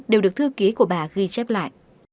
đều được thư ký của bà ghi chép lại